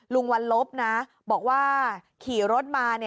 วันลบนะบอกว่าขี่รถมา